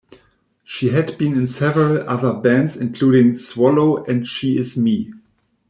She had been in several other bands including "Swallow" and "She Is Me".